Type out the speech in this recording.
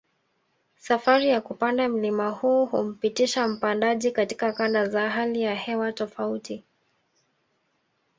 Safari ya kupanda mlima huu humpitisha mpandaji katika kanda za hali ya hewa tofauti